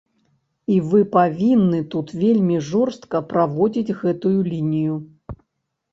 І вы павінны тут вельмі жорстка праводзіць гэтую лінію.